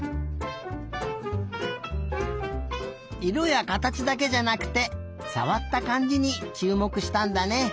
いろやかたちだけじゃなくてさわったかんじにちゅうもくしたんだね。